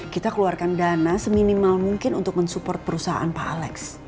kita keluarkan dana seminimal mungkin untuk mensupport perusahaan pak alex